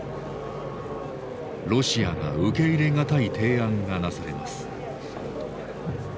ロシアが受け入れ難い提案がなされます。